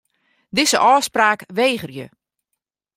Dizze ôfspraak wegerje.